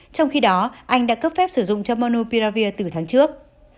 trong khi đó anh đã cấp phép sử dụng cho monopiravir từ tháng trước